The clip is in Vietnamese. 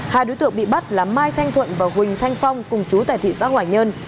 hai đối tượng bị bắt là mai thanh thuận và huỳnh thanh phong cùng chú tại thị xã hoài nhơn